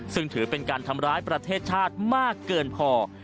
ซึ่งถือเป็นการทำร้ายประเทศชาติมากเกินพอ